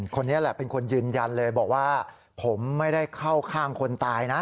คนนี้แหละเป็นคนยืนยันเลยบอกว่าผมไม่ได้เข้าข้างคนตายนะ